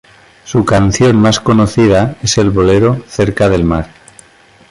Su canción más conocida es el bolero "Cerca del mar".